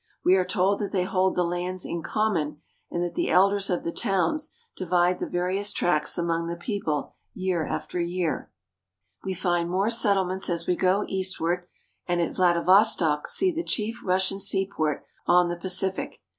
We are told that they hold the lands in common, and that the elders of the towns divide the various tracts among the people year after year. Droshkies. We find more settlements as we go eastward, and at Vladivostok see the chief Russian seaport on the Pacific.